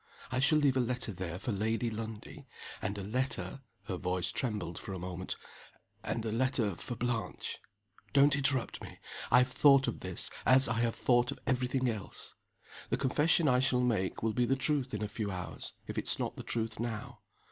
I shall leave a letter there for Lady Lundie, and a letter" her voice trembled for a moment "and a letter for Blanche. Don't interrupt me! I have thought of this, as I have thought of every thing else. The confession I shall make will be the truth in a few hours, if it's not the truth now.